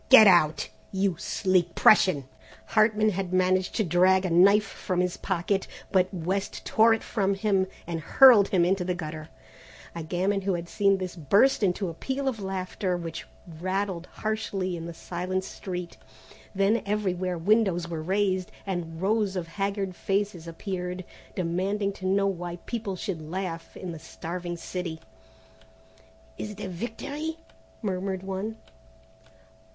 Get out, you sleek Prussian!" Hartman had managed to drag a knife from his pocket, but West tore it from him and hurled him into the gutter. A gamin who had seen this burst into a peal of laughter, which rattled harshly in the silent street. Then everywhere windows were raised and rows of haggard faces appeared demanding to know why people should laugh in the starving city. "Is it a victory?" murmured one.